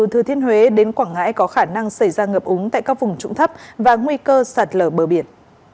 thừa thiên huế đến quảng ngãi có khả năng xảy ra ngập úng tại các vùng trụng thấp và nguy cơ sạt lở bờ biển